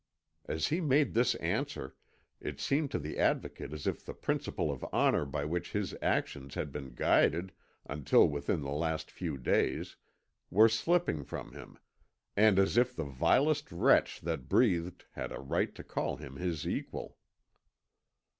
As he made this answer, it seemed to the Advocate as if the principle of honour by which his actions had been guided until within the last few days were slipping from him, and as if the vilest wretch that breathed had a right to call him his equal.